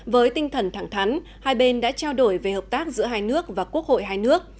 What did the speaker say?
với tinh thần thẳng thắn hai bên đã trao đổi về hợp tác giữa hai nước và quốc hội hai nước